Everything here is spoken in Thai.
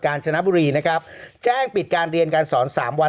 จนบุรีนะครับแจ้งปิดการเรียนการสอนสามวัน